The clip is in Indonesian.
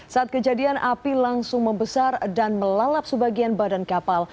saat kejadian api langsung membesar dan melalap sebagian badan kapal